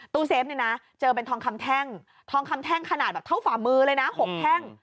เซฟเนี่ยนะเจอเป็นทองคำแท่งทองคำแท่งขนาดแบบเท่าฝ่ามือเลยนะ๖แท่ง